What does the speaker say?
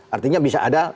artinya bisa ada